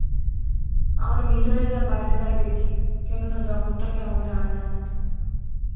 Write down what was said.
আমরা ভিতরে যা, বাইরে তাই দেখি, কেন না জগৎটা আমাদের আয়নার মত।